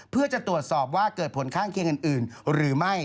เพื่อจะตรวจสอบว่าเกิดผลข้างเคียงอื่นหรือไม่